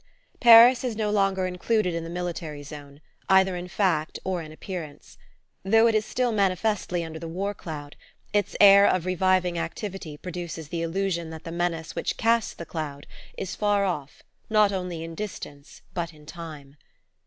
Paris is no longer included in the military zone, either in fact or in appearance. Though it is still manifestly under the war cloud, its air of reviving activity produces the illusion that the menace which casts that cloud is far off not only in distance but in time.